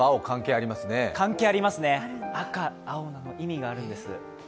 ありますね、赤と青、意味があるんです。